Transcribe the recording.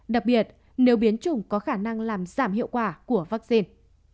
đặc biệt nếu biến chủng có khả năng làm giảm hiệu quả của vaccine